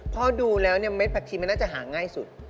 พอดูแล้วเนี่ยเม็ดผักชีมันน่าจะหาง่ายสุด